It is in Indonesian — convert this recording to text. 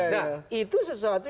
nah itu sesuatu